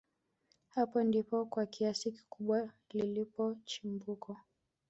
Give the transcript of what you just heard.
hapa ndipo kwa kiasi kikubwa lilipo chimbuko